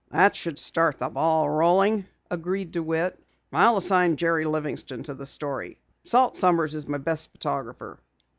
"That should start the ball rolling," agreed DeWitt. "I'll assign Jerry Livingston to the story. Salt Sommers is my best photographer."